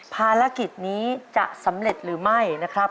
ภารกิจนี้จะสำเร็จหรือไม่นะครับ